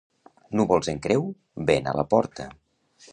Núvols en creu, vent a la porta.